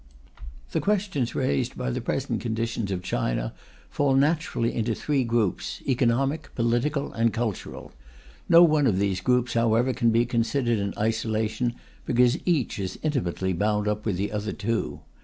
The questions raised by the present condition of China fall naturally into three groups, economic, political, and cultural. No one of these groups, however, can be considered in isolation, because each is intimately bound up with the other two.